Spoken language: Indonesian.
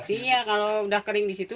iya kalau udah kering di situ